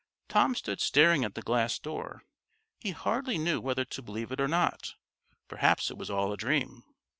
Tom stood staring at the glass door. He hardly knew whether to believe it or not perhaps it was all a dream.